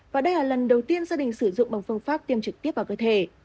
và đây là lần đầu tiên gia đình sử dụng bằng phương pháp tiêm trực tiếp vào cơ thể